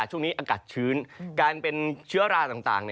ช่วงนี้อากาศชื้นการเป็นเชื้อราต่าง